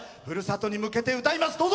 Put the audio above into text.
ふるさとに向けて歌います。